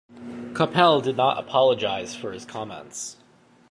Coppell did not apologise for his comments.